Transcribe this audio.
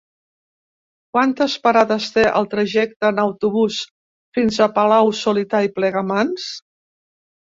Quantes parades té el trajecte en autobús fins a Palau-solità i Plegamans?